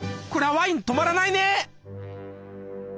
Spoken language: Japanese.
こりゃワイン止まらないね！